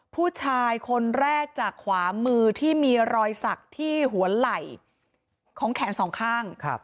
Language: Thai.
ผู้ชายคนแรกจากขวามือที่มีรอยสักที่หัวไหล่ของแขนสองข้าง